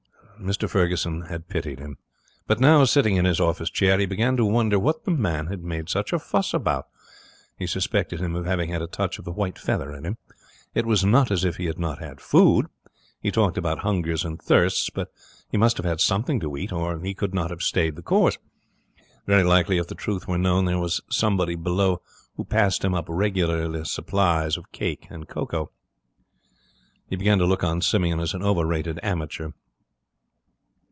He had pitied him. But now, sitting in his office chair, he began to wonder what the man had made such a fuss about. He suspected him of having had a touch of the white feather in him. It was not as if he had not had food. He talked about 'hungers and thirsts', but he must have had something to eat, or he could not have stayed the course. Very likely, if the truth were known, there was somebody below who passed him up regular supplies of cake and cocoa. He began to look on Simeon as an overrated amateur.